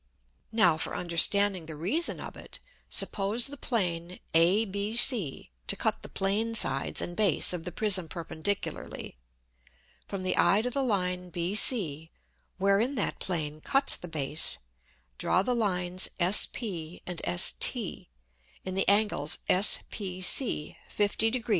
Now for understanding the Reason of it, suppose the Plane ABC to cut the Plane Sides and Base of the Prism perpendicularly. From the Eye to the Line BC, wherein that Plane cuts the Base, draw the Lines S_p_ and S_t_, in the Angles S_pc_ 50 degr.